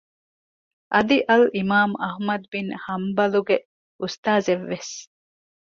އަދި އަލްއިމާމު އަޙްމަދު ބިން ޙަންބަލުގެ އުސްތާޒެއްވެސް